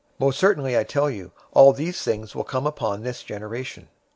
023:036 Most certainly I tell you, all these things will come upon this generation.